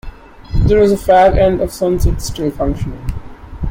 There was a fag-end of sunset still functioning.